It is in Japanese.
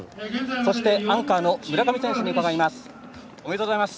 そして、アンカーの村上選手に伺います。